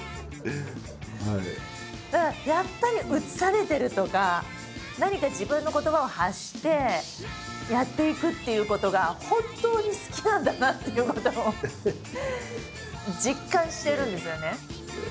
だからやっぱり映されてるとか何か自分の言葉を発してやっていくっていうことが本当に好きなんだなっていうことを実感してるんですよね。